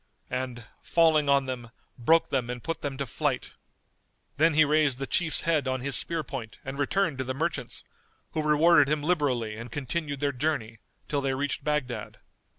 —and, falling on them broke them and put them to flight. Then he raised the Chief's head on his spear point and returned to the merchants, who rewarded him liberally and continued their journey, till they reached Baghdad.